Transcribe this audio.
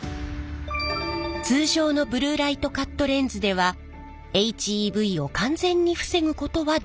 通常のブルーライトカットレンズではＨＥＶを完全に防ぐことはできません。